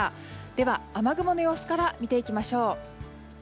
では、雨雲の様子から見ていきましょう。